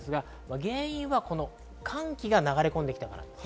原因は寒気が流れ込んで来たためです。